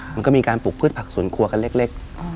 มันก็มีการปลูกพืชผักสวนครัวกันเล็ก